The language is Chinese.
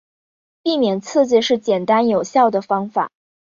避免刺激是简单有效的方法。